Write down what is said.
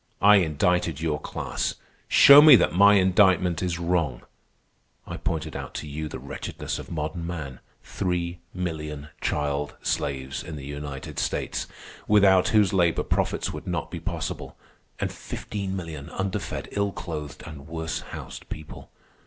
I indicted your class. Show me that my indictment is wrong. I pointed out to you the wretchedness of modern man—three million child slaves in the United States, without whose labor profits would not be possible, and fifteen million under fed, ill clothed, and worse housed people.